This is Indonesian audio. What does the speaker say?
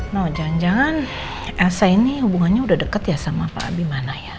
mau jangan jangan elsa ini hubungannya udah deket ya sama pak abi mana ya